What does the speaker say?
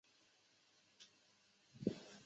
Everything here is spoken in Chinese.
阿年人口变化图示